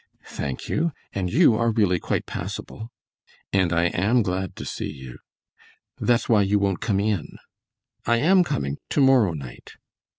"Thank you, and you are really quite passable." "And I AM glad to see you." "That's why you won't come in." "I am coming to morrow night."